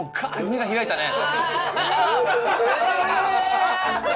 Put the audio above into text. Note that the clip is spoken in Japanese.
目が開いたね。